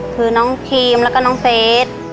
คือน้องครีมแล้วก็น้องเฟส